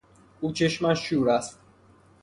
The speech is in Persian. او چشمش شور است.